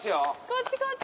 こっちこっち！